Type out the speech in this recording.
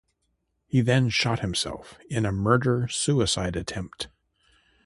He then shot himself in a murder-suicide attempt.